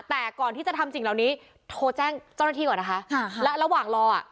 แต่ก่อนที่จะทำสิ่งเหล่านี้โทรแจ้งเจ้าหน้าที่ก่อนนะคะค่ะและระหว่างรออ่ะ